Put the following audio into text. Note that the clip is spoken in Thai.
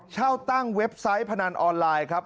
เช่าตั้งเว็บไซต์พนันออนไลน์ครับ